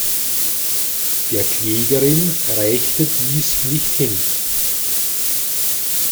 Der Klägerin reichte dies nicht hin.